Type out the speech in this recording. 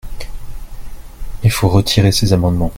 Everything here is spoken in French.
Il faut retirer ces amendements.